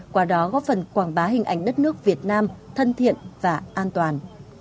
qua đó góp phần quảng bá hình ảnh đất nước việt nam thân thiện và an toàn